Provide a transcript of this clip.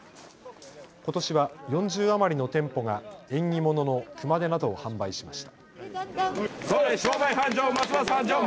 ことしは４０余りの店舗が縁起物の熊手などを販売しました。